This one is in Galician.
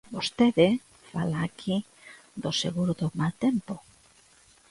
Vostede fala aquí do seguro do mal tempo.